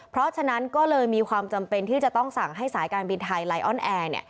เพราะฉะนั้นก็เลยมีความจำเป็นที่จะต้องสั่งให้สายการบินไทยไลออนแอร์